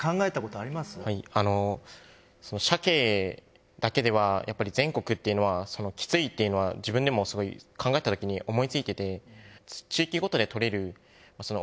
はい鮭だけではやっぱり全国っていうのはきついっていうのは自分でもすごい考えたときに思いついてて。